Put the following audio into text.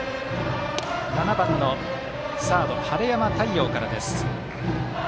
７番、サード、晴山太陽からです。